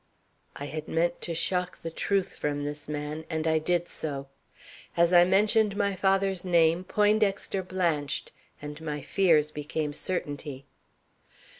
"I had meant to shock the truth from this man, and I did so. As I mentioned my father's name, Poindexter blanched, and my fears became certainty.